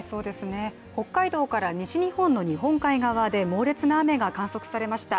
北海道から西日本の日本海側で猛烈な雨が観測されました。